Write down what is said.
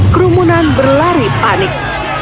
kerumunan berlari panik